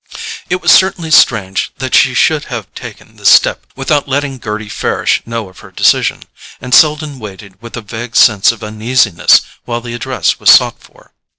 It was certainly strange that she should have taken this step without letting Gerty Farish know of her decision; and Selden waited with a vague sense of uneasiness while the address was sought for.